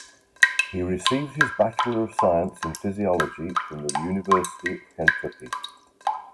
He received his Bachelor of Science in psychology from the University of Kentucky.